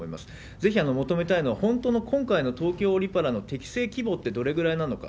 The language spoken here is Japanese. ぜひ求めたいのは、本当の今回の東京オリパラの適正規模ってどれぐらいなのか。